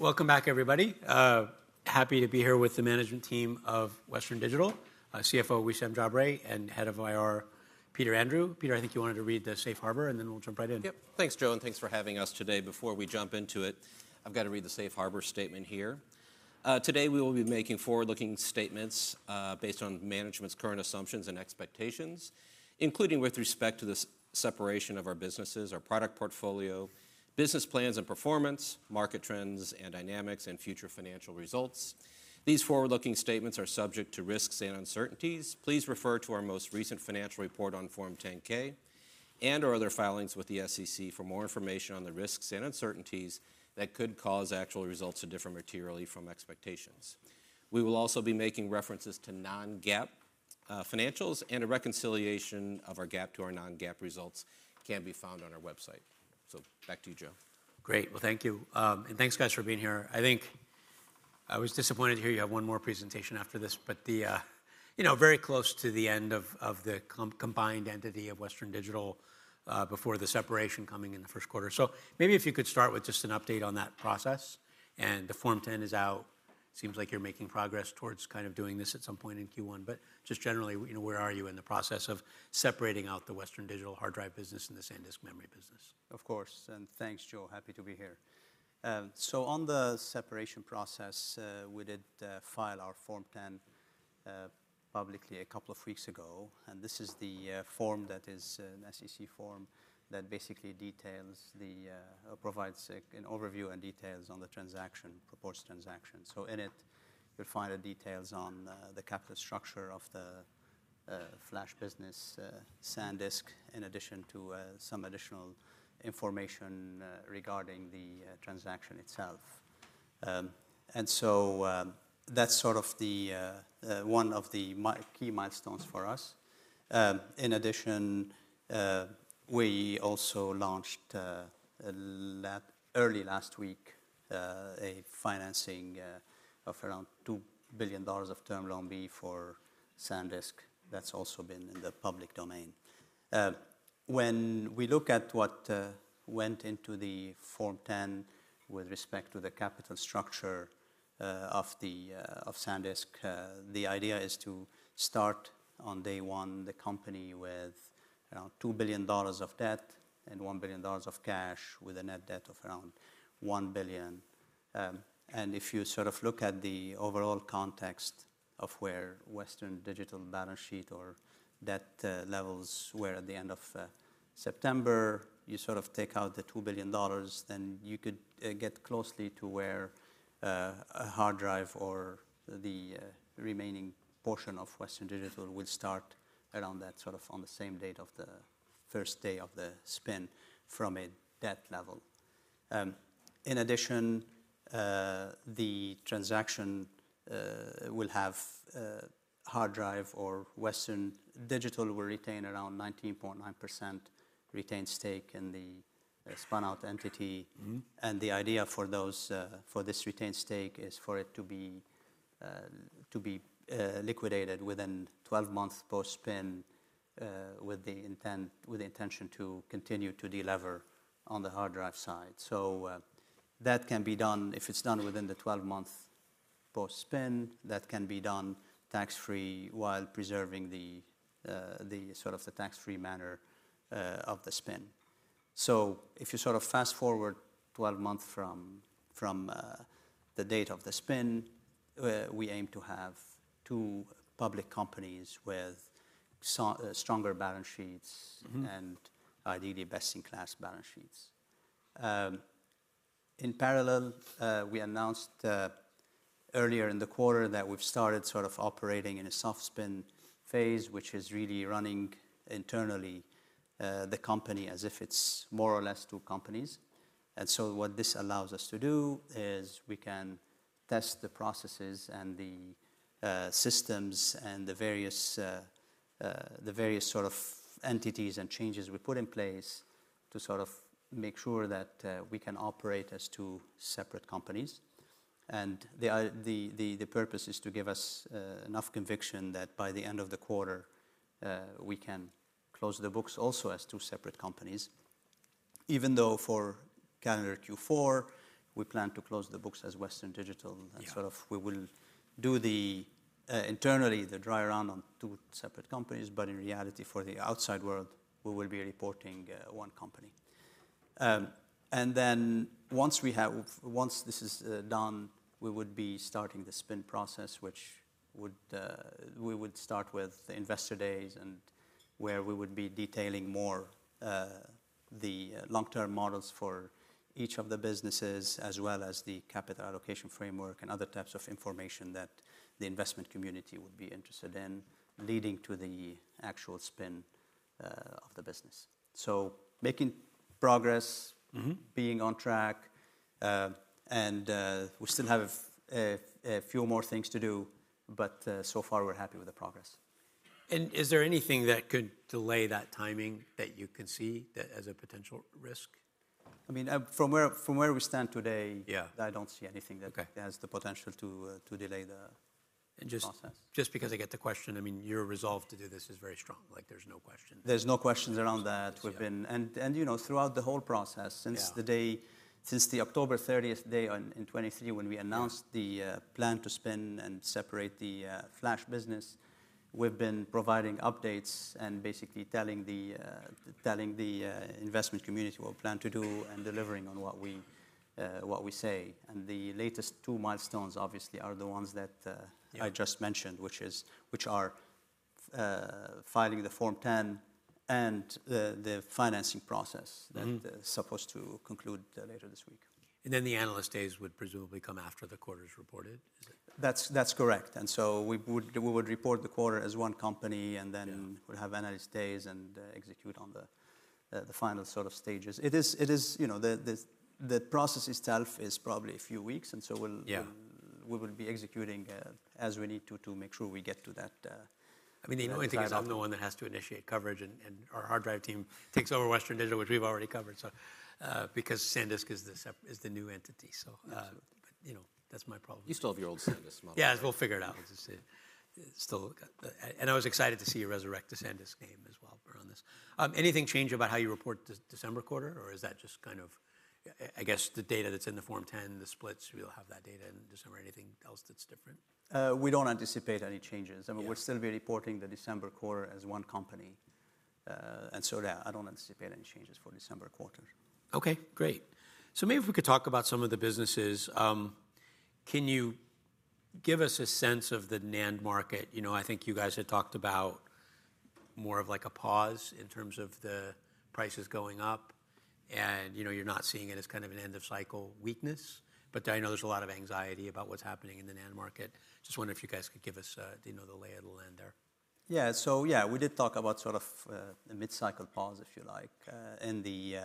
Welcome back, everybody. Happy to be here with the management team of Western Digital, CFO Wissam Jabre, and head of IR, Peter Andrew. Peter, I think you wanted to read the safe harbor, and then we'll jump right in. Yep. Thanks, Joe, and thanks for having us today. Before we jump into it, I've got to read the safe harbor statement here. Today, we will be making forward-looking statements based on management's current assumptions and expectations, including with respect to the separation of our businesses, our product portfolio, business plans and performance, market trends and dynamics, and future financial results. These forward-looking statements are subject to risks and uncertainties. Please refer to our most recent financial report on Form 10-K and/or other filings with the SEC for more information on the risks and uncertainties that could cause actual results to differ materially from expectations. We will also be making references to non-GAAP financials, and a reconciliation of our GAAP to our non-GAAP results can be found on our website. So back to you, Joe. Great. Well, thank you. And thanks, guys, for being here. I think I was disappointed to hear you have one more presentation after this, but you know, very close to the end of the combined entity of Western Digital before the separation coming in the first quarter. So maybe if you could start with just an update on that process. And the Form 10 is out. It seems like you're making progress towards kind of doing this at some point in Q1. But just generally, where are you in the process of separating out the Western Digital hard drive business and the SanDisk memory business? Of course. And thanks, Joe. Happy to be here. So on the separation process, we did file our Form 10 publicly a couple of weeks ago. And this is the form that is an SEC form that basically details, provides an overview and details on the transaction, proposed transaction. So in it, you'll find the details on the capital structure of the flash business, SanDisk, in addition to some additional information regarding the transaction itself. And so that's sort of one of the key milestones for us. In addition, we also launched early last week a financing of around $2 billion of Term Loan B for SanDisk. That's also been in the public domain. When we look at what went into the Form 10 with respect to the capital structure of SanDisk, the idea is to start on day one the company with around $2 billion of debt and $1 billion of cash, with a net debt of around $1 billion, and if you sort of look at the overall context of where Western Digital balance sheet or debt levels were at the end of September, you sort of take out the $2 billion, then you could get closely to where a hard drive or the remaining portion of Western Digital will start around that sort of on the same date of the first day of the spin from a debt level. In addition, the transaction will have hard drive or Western Digital will retain around 19.9% retained stake in the spun-out entity. The idea for this retained stake is for it to be liquidated within 12 months post-spin with the intention to continue to delever on the hard drive side. So that can be done if it's done within the 12 months post-spin. That can be done tax-free while preserving sort of the tax-free manner of the spin. So if you sort of fast forward 12 months from the date of the spin, we aim to have two public companies with stronger balance sheets and ideally best-in-class balance sheets. In parallel, we announced earlier in the quarter that we've started sort of operating in a soft spin phase, which is really running internally the company as if it's more or less two companies. And so what this allows us to do is we can test the processes and the systems and the various sort of entities and changes we put in place to sort of make sure that we can operate as two separate companies. And the purpose is to give us enough conviction that by the end of the quarter, we can close the books also as two separate companies. Even though for calendar Q4, we plan to close the books as Western Digital, and sort of we will do internally the dry run on two separate companies, but in reality, for the outside world, we will be reporting one company. And then once this is done, we would be starting the spin process, which we would start with the investor days and where we would be detailing more the long-term models for each of the businesses, as well as the capital allocation framework and other types of information that the investment community would be interested in, leading to the actual spin of the business. So making progress, being on track, and we still have a few more things to do, but so far, we're happy with the progress. Is there anything that could delay that timing that you can see as a potential risk? I mean, from where we stand today, I don't see anything that has the potential to delay the process. Just because I get the question, I mean, your resolve to do this is very strong. Like, there's no question. There's no questions around that, and throughout the whole process, since the October 30th day in 2023, when we announced the plan to spin and separate the flash business, we've been providing updates and basically telling the investment community what we plan to do and delivering on what we say, and the latest two milestones obviously are the ones that I just mentioned, which are filing the Form 10 and the financing process that is supposed to conclude later this week. And then the analyst days would presumably come after the quarter is reported. That's correct, and so we would report the quarter as one company, and then we'd have analyst days and execute on the final sort of stages. The process itself is probably a few weeks, and so we will be executing as we need to to make sure we get to that. I mean, the annoying thing is I'm the one that has to initiate coverage, and our hard drive team takes over Western Digital, which we've already covered, because SanDisk is the new entity. But that's my problem. You still have your old SanDisk model. Yeah, we'll figure it out. I was excited to see you resurrect the SanDisk name as well around this. Anything change about how you report the December quarter, or is that just kind of, I guess, the data that's in the Form 10, the splits? We'll have that data in December. Anything else that's different? We don't anticipate any changes. I mean, we'll still be reporting the December quarter as one company. And so yeah, I don't anticipate any changes for December quarter. OK, great. So maybe if we could talk about some of the businesses, can you give us a sense of the NAND market? You know, I think you guys had talked about more of like a pause in terms of the prices going up, and you're not seeing it as kind of an end-of-cycle weakness. But I know there's a lot of anxiety about what's happening in the NAND market. Just wondering if you guys could give us the lay of the land there. Yeah, so yeah, we did talk about sort of a mid-cycle pause, if you like, in the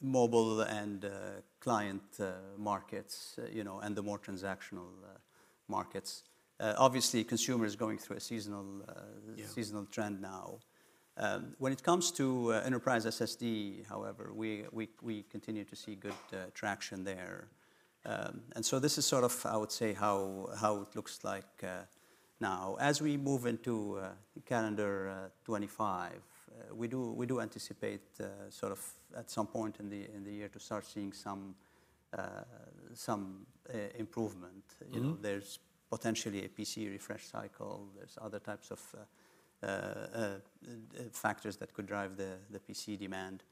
mobile and client markets and the more transactional markets. Obviously, consumer is going through a seasonal trend now. When it comes to Enterprise SSD, however, we continue to see good traction there. And so this is sort of, I would say, how it looks like now. As we move into calendar 2025, we do anticipate sort of at some point in the year to start seeing some improvement. There's potentially a PC refresh cycle. There's other types of factors that could drive the PC demand.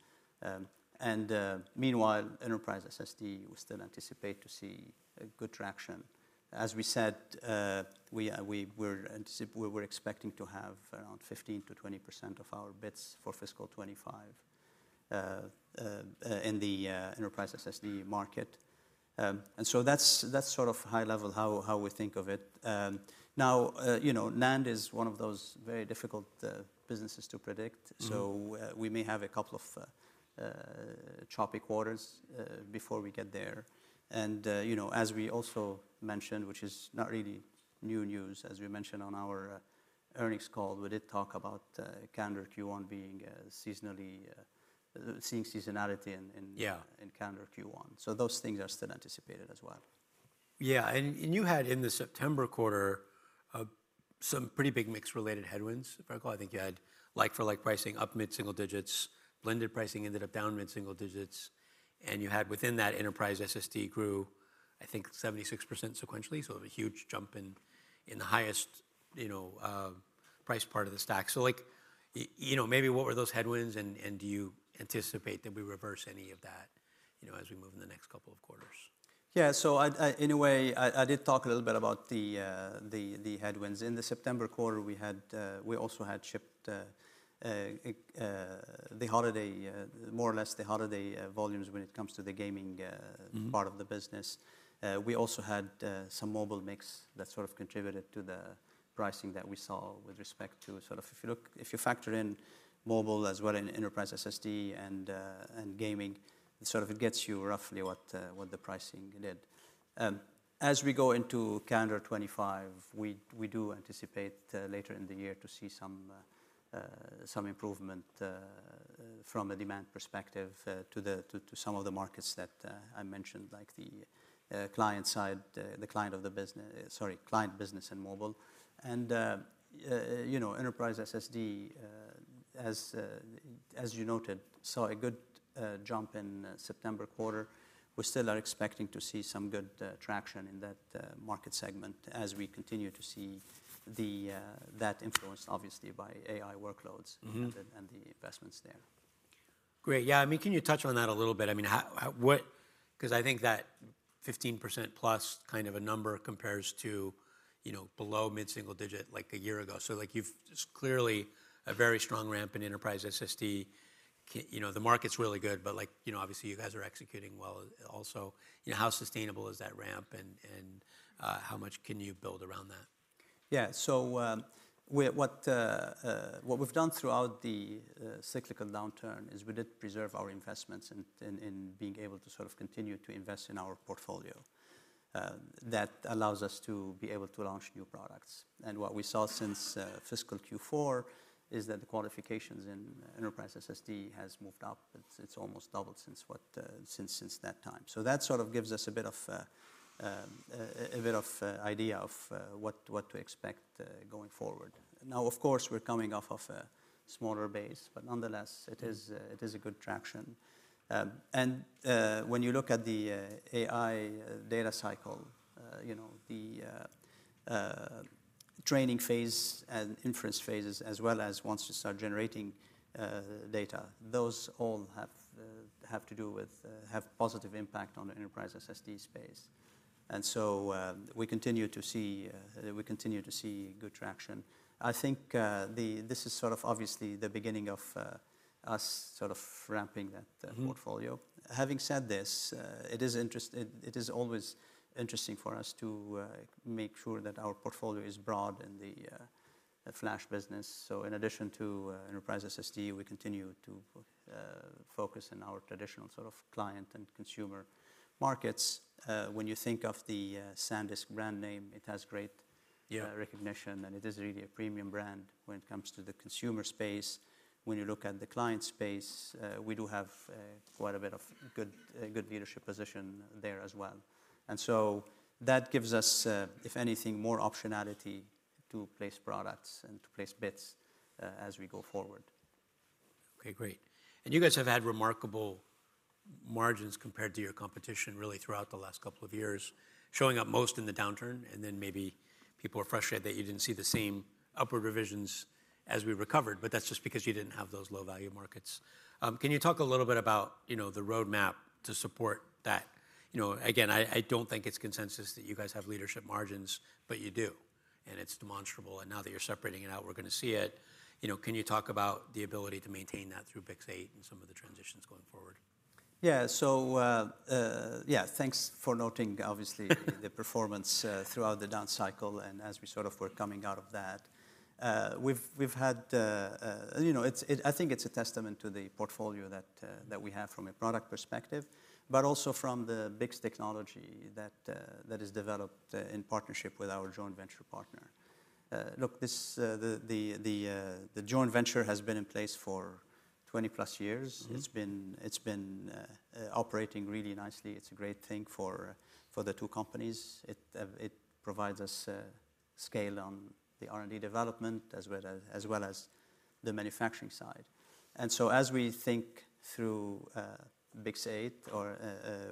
And meanwhile, Enterprise SSD, we still anticipate to see good traction. As we said, we were expecting to have around 15%-20% of our bits for fiscal 2025 in the Enterprise SSD market. And so that's sort of high level how we think of it. Now, NAND is one of those very difficult businesses to predict. So we may have a couple of choppy quarters before we get there. And as we also mentioned, which is not really new news, as we mentioned on our earnings call, we did talk about calendar Q1 being seasonally, seeing seasonality in calendar Q1. So those things are still anticipated as well. Yeah. And you had in the September quarter some pretty big mix-related headwinds, if I recall. I think you had like-for-like pricing up mid-single digits, blended pricing ended up down mid-single digits. And you had, within that, enterprise SSD grew, I think, 76% sequentially. So a huge jump in the highest price part of the stack. So maybe what were those headwinds, and do you anticipate that we reverse any of that as we move in the next couple of quarters? Yeah. So in a way, I did talk a little bit about the headwinds. In the September quarter, we also had shipped the holiday, more or less the holiday volumes when it comes to the gaming part of the business. We also had some mobile mix that sort of contributed to the pricing that we saw with respect to sort of if you factor in mobile as well as enterprise SSD and gaming, sort of it gets you roughly what the pricing did. As we go into calendar 2025, we do anticipate later in the year to see some improvement from a demand perspective to some of the markets that I mentioned, like the client side, the client of the business, sorry, client business and mobile. And enterprise SSD, as you noted, saw a good jump in September quarter. We still are expecting to see some good traction in that market segment as we continue to see that influenced, obviously, by AI workloads and the investments there. Great. Yeah, I mean, can you touch on that a little bit? I mean, because I think that 15%+ kind of a number compares to below mid-single digit like a year ago. So you've clearly a very strong ramp in enterprise SSD. The market's really good, but obviously, you guys are executing well also. How sustainable is that ramp, and how much can you build around that? Yeah. So what we've done throughout the cyclical downturn is we did preserve our investments in being able to sort of continue to invest in our portfolio. That allows us to be able to launch new products. And what we saw since fiscal Q4 is that the qualifications in enterprise SSD has moved up. It's almost doubled since that time. So that sort of gives us a bit of an idea of what to expect going forward. Now, of course, we're coming off of a smaller base, but nonetheless, it is a good traction. And when you look at the AI data cycle, the training phase and inference phases, as well as once you start generating data, those all have to do with positive impact on the enterprise SSD space. And so we continue to see good traction. I think this is sort of obviously the beginning of us sort of ramping that portfolio. Having said this, it is always interesting for us to make sure that our portfolio is broad in the flash business. So in addition to enterprise SSD, we continue to focus on our traditional sort of client and consumer markets. When you think of the SanDisk brand name, it has great recognition, and it is really a premium brand when it comes to the consumer space. When you look at the client space, we do have quite a bit of good leadership position there as well. And so that gives us, if anything, more optionality to place products and to place bits as we go forward. OK, great, and you guys have had remarkable margins compared to your competition really throughout the last couple of years, showing up most in the downturn. And then maybe people are frustrated that you didn't see the same upward revisions as we recovered, but that's just because you didn't have those low-value markets. Can you talk a little bit about the roadmap to support that? Again, I don't think it's consensus that you guys have leadership margins, but you do. And it's demonstrable, and now that you're separating it out, we're going to see it. Can you talk about the ability to maintain that through BiCS8 and some of the transitions going forward? Yeah. So yeah, thanks for noting, obviously, the performance throughout the down cycle and as we sort of were coming out of that. I think it's a testament to the portfolio that we have from a product perspective, but also from the BiCS technology that is developed in partnership with our joint venture partner. Look, the joint venture has been in place for 20+ years. It's been operating really nicely. It's a great thing for the two companies. It provides us scale on the R&D development as well as the manufacturing side. And so as we think through BiCS8, or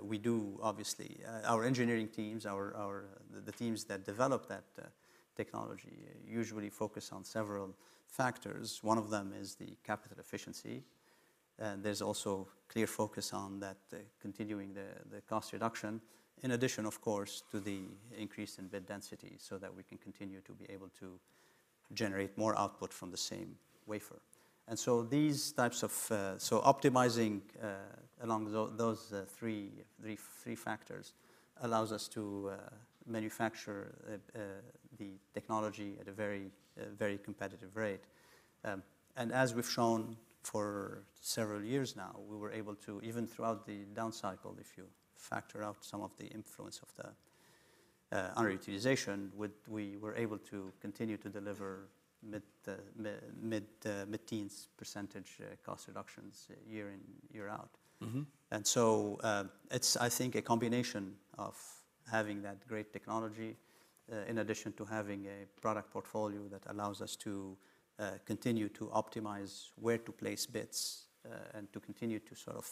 we do, obviously, our engineering teams, the teams that develop that technology usually focus on several factors. One of them is the capital efficiency. There's also clear focus on that continuing the cost reduction, in addition, of course, to the increase in bit density so that we can continue to be able to generate more output from the same wafer. And so these types of optimizing along those three factors allows us to manufacture the technology at a very, very competitive rate. And as we've shown for several years now, we were able to, even throughout the down cycle, if you factor out some of the influence of the underutilization, we were able to continue to deliver mid-teens percent cost reductions year in, year out. It's, I think, a combination of having that great technology, in addition to having a product portfolio that allows us to continue to optimize where to place bits and to continue to sort of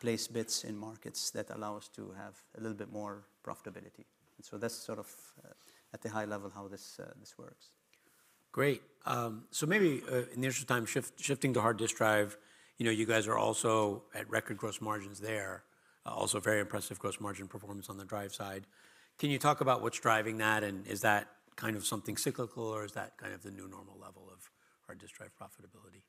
place bits in markets that allow us to have a little bit more profitability. That's sort of at the high level how this works. Great. So maybe in the interest of time, shifting to hard disk drive, you guys are also at record gross margins there, also very impressive gross margin performance on the drive side. Can you talk about what's driving that, and is that kind of something cyclical, or is that kind of the new normal level of hard disk drive profitability?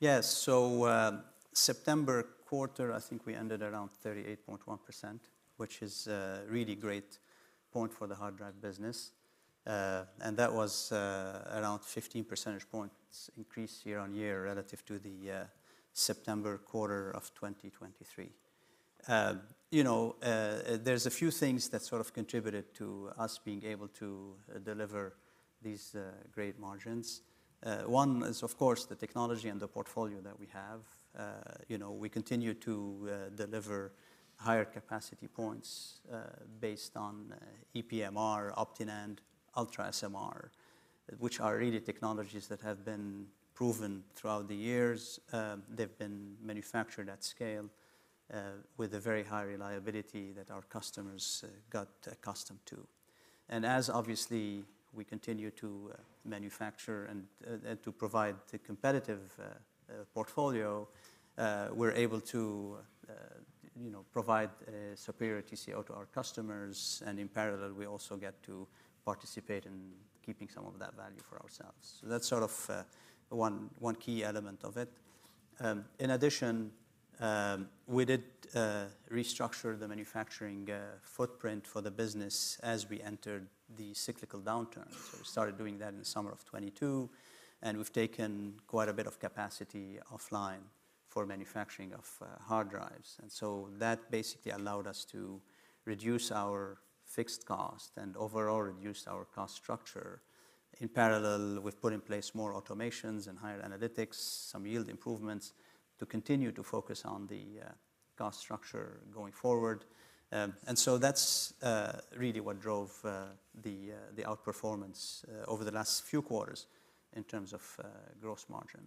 Yes. So September quarter, I think we ended around 38.1%, which is a really great point for the hard drive business. And that was around 15 percentage points increase year on year relative to the September quarter of 2023. There's a few things that sort of contributed to us being able to deliver these great margins. One is, of course, the technology and the portfolio that we have. We continue to deliver higher capacity points based on ePMR, OptiNAND, UltraSMR, which are really technologies that have been proven throughout the years. They've been manufactured at scale with a very high reliability that our customers got accustomed to. And as obviously we continue to manufacture and to provide the competitive portfolio, we're able to provide superior TCO to our customers. And in parallel, we also get to participate in keeping some of that value for ourselves. That's sort of one key element of it. In addition, we did restructure the manufacturing footprint for the business as we entered the cyclical downturn. We started doing that in the summer of 2022. We've taken quite a bit of capacity offline for manufacturing of hard drives. That basically allowed us to reduce our fixed cost and overall reduce our cost structure. In parallel, we've put in place more automations and higher analytics, some yield improvements to continue to focus on the cost structure going forward. That's really what drove the outperformance over the last few quarters in terms of gross margin.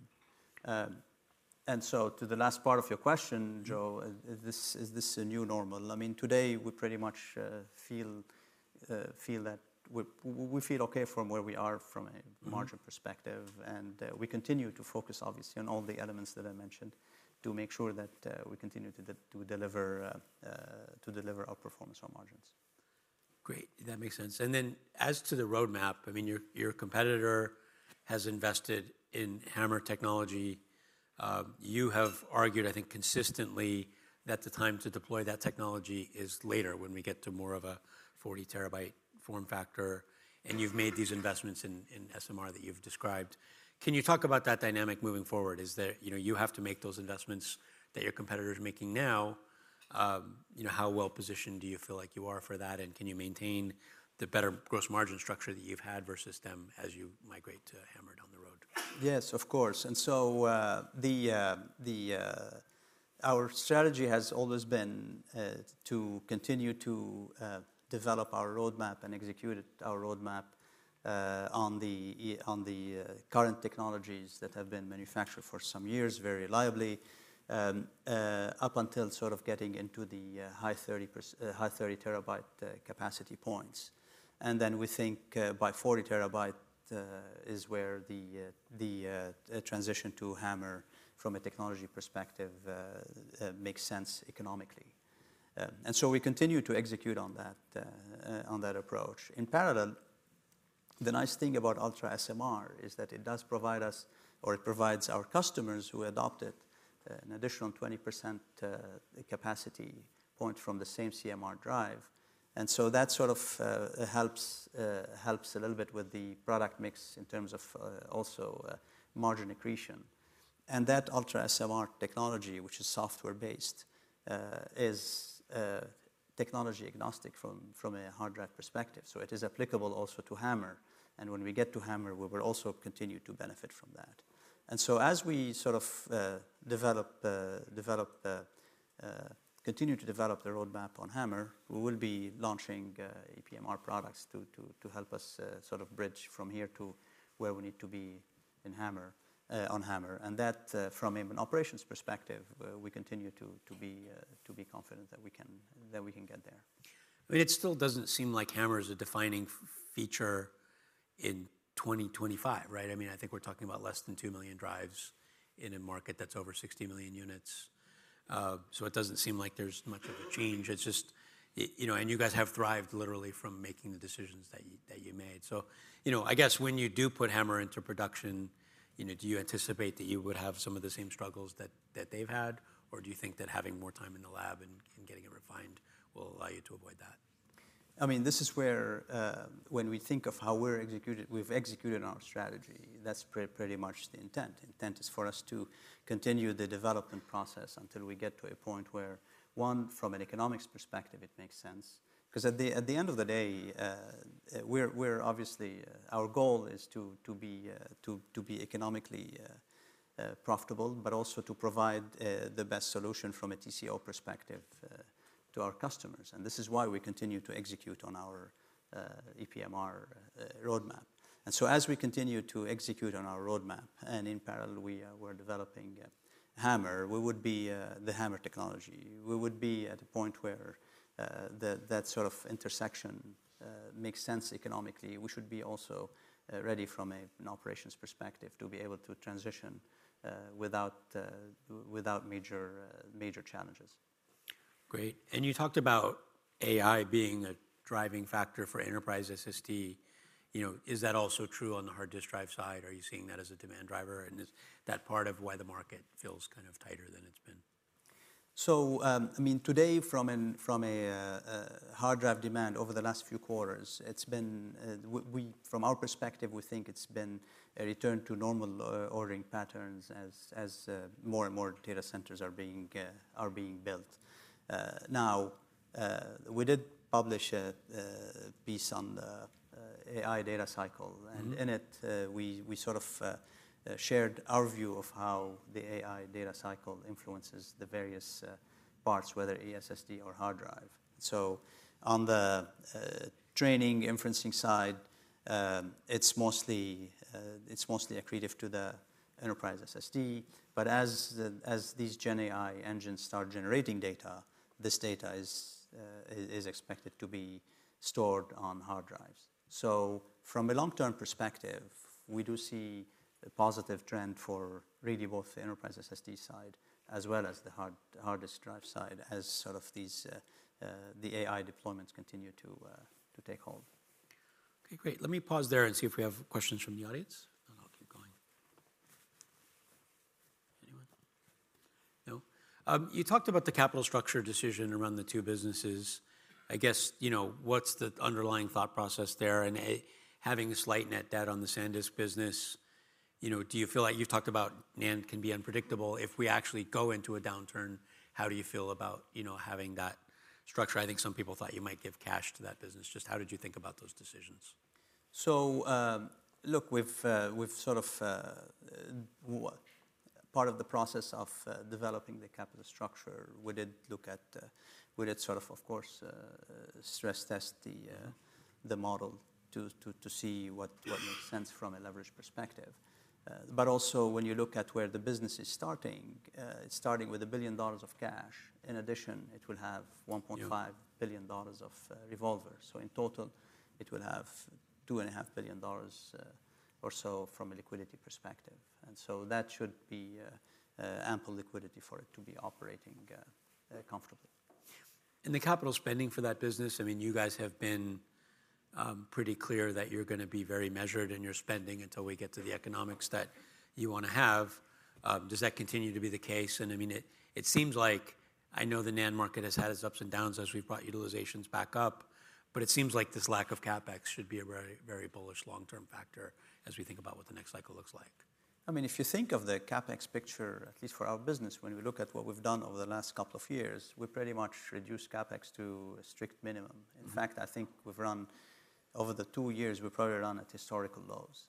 To the last part of your question, Joe, is this a new normal? I mean, today, we pretty much feel OK from where we are from a margin perspective. We continue to focus, obviously, on all the elements that I mentioned to make sure that we continue to deliver our performance or margins. Great. That makes sense. And then as to the roadmap, I mean, your competitor has invested in HAMR technology. You have argued, I think, consistently that the time to deploy that technology is later when we get to more of a 40 terabyte form factor. And you've made these investments in SMR that you've described. Can you talk about that dynamic moving forward? Is that you have to make those investments that your competitor is making now? How well positioned do you feel like you are for that? And can you maintain the better gross margin structure that you've had versus them as you migrate to HAMR down the road? Yes, of course. And so our strategy has always been to continue to develop our roadmap and execute our roadmap on the current technologies that have been manufactured for some years very reliably up until sort of getting into the high 30 terabyte capacity points. And then we think by 40 terabyte is where the transition to HAMR from a technology perspective makes sense economically. And so we continue to execute on that approach. In parallel, the nice thing about UltraSMR is that it does provide us, or it provides our customers who adopt it, an additional 20% capacity point from the same CMR drive. And that UltraSMR technology, which is software-based, is technology agnostic from a hard drive perspective. So it is applicable also to HAMR. And when we get to HAMR, we will also continue to benefit from that. And so as we sort of develop, continue to develop the roadmap on HAMR, we will be launching ePMR products to help us sort of bridge from here to where we need to be on HAMR. And that from an operations perspective, we continue to be confident that we can get there. I mean, it still doesn't seem like HAMR is a defining feature in 2025, right? I mean, I think we're talking about less than two million drives in a market that's over 60 million units. So it doesn't seem like there's much of a change. It's just, and you guys have thrived literally from making the decisions that you made. So I guess when you do put HAMR into production, do you anticipate that you would have some of the same struggles that they've had? Or do you think that having more time in the lab and getting it refined will allow you to avoid that? I mean, this is where when we think of how we've executed, we've executed our strategy. That's pretty much the intent. The intent is for us to continue the development process until we get to a point where, one, from an economics perspective, it makes sense. Because at the end of the day, we're obviously, our goal is to be economically profitable, but also to provide the best solution from a TCO perspective to our customers. And this is why we continue to execute on our ePMR roadmap. And so as we continue to execute on our roadmap, and in parallel, we're developing HAMR, we would be the HAMR technology. We would be at a point where that sort of intersection makes sense economically. We should be also ready from an operations perspective to be able to transition without major challenges. Great. And you talked about AI being a driving factor for enterprise SSD. Is that also true on the hard disk drive side? Are you seeing that as a demand driver? And is that part of why the market feels kind of tighter than it's been? So I mean, today, from a hard drive demand over the last few quarters, it's been, from our perspective, we think it's been a return to normal ordering patterns as more and more data centers are being built. Now, we did publish a piece on the AI data cycle, and in it, we sort of shared our view of how the AI data cycle influences the various parts, whether ESSD or hard drive, so on the training, inferencing side, it's mostly accretive to the enterprise SSD. But as these Gen AI engines start generating data, this data is expected to be stored on hard drives, so from a long-term perspective, we do see a positive trend for really both the enterprise SSD side as well as the hard disk drive side as sort of the AI deployments continue to take hold. OK, great. Let me pause there and see if we have questions from the audience. And I'll keep going. Anyone? No? You talked about the capital structure decision around the two businesses. I guess what's the underlying thought process there? And having a slight net debt on the SanDisk business, do you feel like you've talked about NAND can be unpredictable? If we actually go into a downturn, how do you feel about having that structure? I think some people thought you might give cash to that business. Just how did you think about those decisions? So look, we've sort of part of the process of developing the capital structure, we did look at, we did sort of, of course, stress test the model to see what makes sense from a leverage perspective. But also, when you look at where the business is starting, it's starting with $1 billion of cash. In addition, it will have $1.5 billion of revolvers. So in total, it will have $2.5 billion or so from a liquidity perspective. And so that should be ample liquidity for it to be operating comfortably. The capital spending for that business, I mean, you guys have been pretty clear that you're going to be very measured in your spending until we get to the economics that you want to have. Does that continue to be the case? And I mean, it seems like I know the NAND market has had its ups and downs as we've brought utilizations back up. But it seems like this lack of CapEx should be a very bullish long-term factor as we think about what the next cycle looks like. I mean, if you think of the CapEx picture, at least for our business, when we look at what we've done over the last couple of years, we pretty much reduced CapEx to a strict minimum. In fact, I think we've run over the two years, we've probably run at historical lows.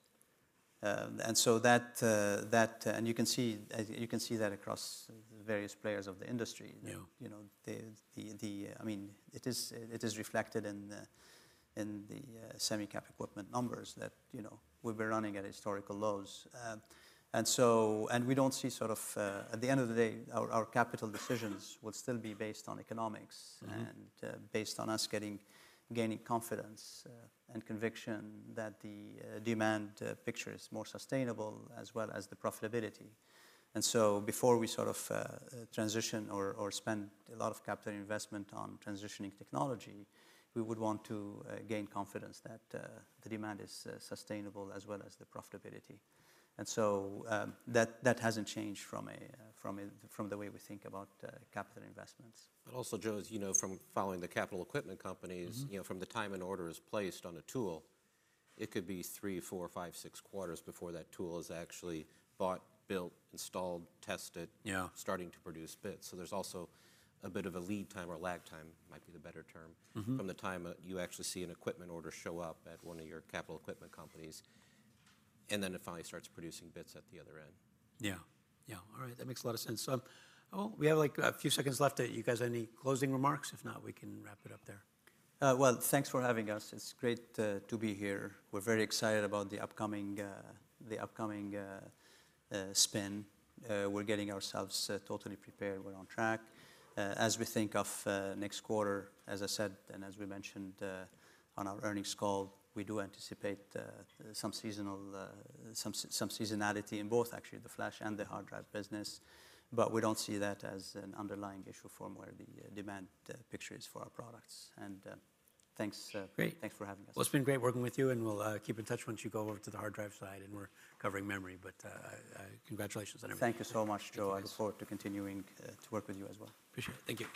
And so that, and you can see that across various players of the industry. I mean, it is reflected in the semicap equipment numbers that we've been running at historical lows. And we don't see sort of, at the end of the day, our capital decisions will still be based on economics and based on us gaining confidence and conviction that the demand picture is more sustainable as well as the profitability. Before we sort of transition or spend a lot of capital investment on transitioning technology, we would want to gain confidence that the demand is sustainable as well as the profitability. That hasn't changed from the way we think about capital investments. But also, Joe, from following the capital equipment companies, from the time an order is placed on a tool, it could be three, four, five, six quarters before that tool is actually bought, built, installed, tested, starting to produce bits. So there's also a bit of a lead time or lag time, might be the better term, from the time you actually see an equipment order show up at one of your capital equipment companies and then it finally starts producing bits at the other end. Yeah. Yeah. All right. That makes a lot of sense. So we have like a few seconds left. You guys have any closing remarks? If not, we can wrap it up there. Thanks for having us. It's great to be here. We're very excited about the upcoming spin. We're getting ourselves totally prepared. We're on track. As we think of next quarter, as I said, and as we mentioned on our earnings call, we do anticipate some seasonality in both, actually, the flash and the hard drive business. But we don't see that as an underlying issue from where the demand picture is for our products. Thanks for having us. It's been great working with you. We'll keep in touch once you go over to the hard drive side and we're covering memory. Congratulations on everything. Thank you so much, Joe. I look forward to continuing to work with you as well. Appreciate it. Thank you.